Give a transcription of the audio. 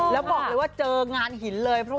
แล้วบอกเลยว่าเจองานหินเลย